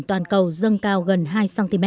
toàn cầu dâng cao gần hai cm